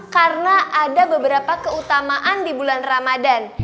karena ada beberapa keutamaan di bulan ramadhan